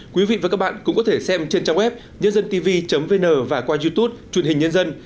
quý vị và các bạn cũng có thể xem trên trang web nhândântv vn và qua youtube truyền hình nhân dân